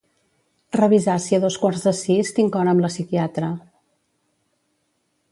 Revisar si a dos quarts de sis tinc hora amb la psiquiatra.